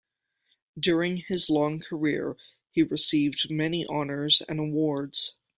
During his long career, he received many honours and awards.